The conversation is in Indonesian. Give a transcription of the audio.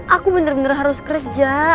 aku bener bener harus kerja